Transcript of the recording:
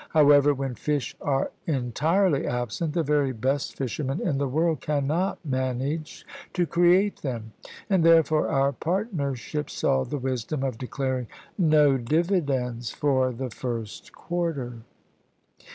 However, when fish are entirely absent, the very best fishermen in the world cannot manage to create them; and therefore our partnership saw the wisdom of declaring no dividends for the first quarter.